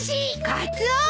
カツオ！